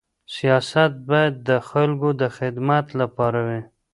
سیاست باید د خلکو د خدمت لپاره وي.